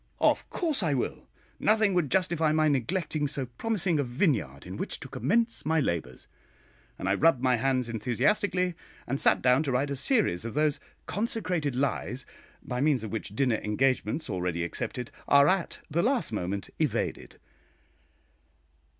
"Of course I will. Nothing would justify my neglecting so promising a vineyard in which to commence my labours;" and I rubbed my hands enthusiastically, and sat down to write a series of those "consecrated lies" by means of which dinner engagements, already accepted, are at the last moment evaded.